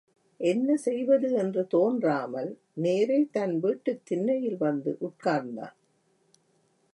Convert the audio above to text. என்ன செய்வது என்று தோன்றாமல் நேரே தன் வீட்டுத் திண்ணையில் வந்து உட்கார்ந்தான்.